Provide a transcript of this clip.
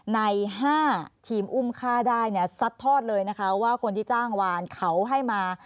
ใน๕ทีมอุ้มค่าได้เนี่ยซัดทอดเลยนะคะว่าคนที่จ้างวานเขาให้มา